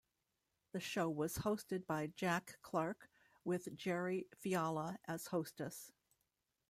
The show was hosted by Jack Clark, with Jerri Fiala as hostess.